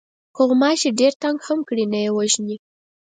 که غوماشی ډېر تنگ هم کړي نه یې وژنې.